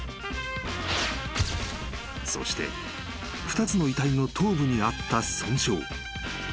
［そして２つの遺体の頭部にあった損傷］